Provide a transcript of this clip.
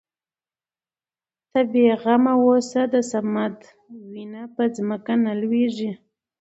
ته بې غمه اوسه د صمد وينه په ځمکه نه لوېږي.